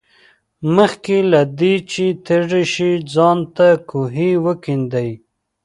مخکې له دې چې تږي شې ځان ته کوهی وکیندئ.